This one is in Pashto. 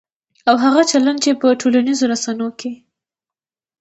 او هغه چلند چې په ټولنیزو رسنیو کې